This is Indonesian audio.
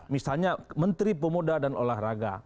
misalnya menteri pemuda dan olahraga